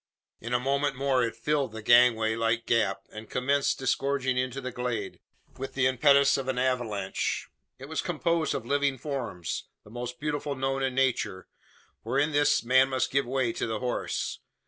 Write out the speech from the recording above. In a moment more it filled the gangway like gap, and commenced disgorging into the glade, with the impetus of an avalanche! It was composed of living forms the most beautiful known in nature: for in this man must give way to the horse.